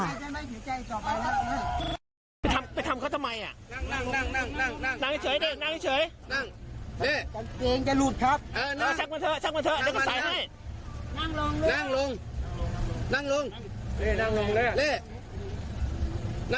ไปทำเขาทำไมอ่ะ